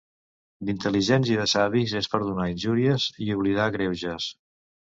D'intel·ligents i de savis és perdonar injuries i oblidar greuges.